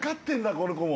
この子も。